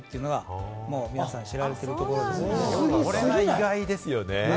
それが意外ですよね。